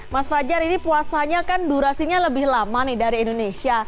mas fajar ini puasanya kan durasinya lebih lama nih dari indonesia